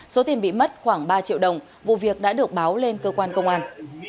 số tiền bị mất khoảng ba triệu đồng vụ việc đã được báo lên cơ quan công an